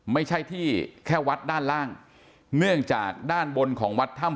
ไม่ใช่ที่แค่วัดด้านล่างเนื่องจากด้านบนของวัดถ้ำ